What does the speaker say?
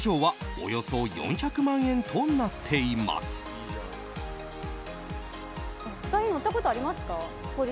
お二人乗ったことあります？